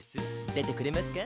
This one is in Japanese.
出てくれますか？